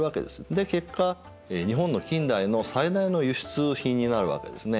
で結果日本の近代の最大の輸出品になるわけですね。